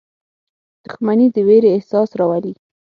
• دښمني د ویرې احساس راولي.